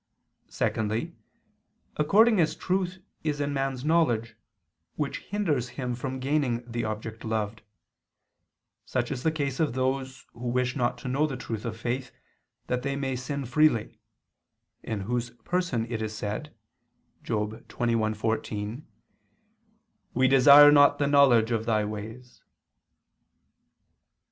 Secondly, according as truth is in man's knowledge, which hinders him from gaining the object loved: such is the case of those who wish not to know the truth of faith, that they may sin freely; in whose person it is said (Job 21:14): "We desire not the knowledge of Thy ways."